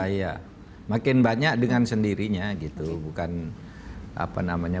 iya makin banyak dengan sendirinya